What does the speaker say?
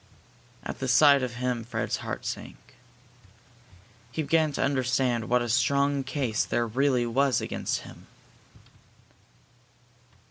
At the sight of him Fred's heart sank. He began to understand what a strong case there really was against him.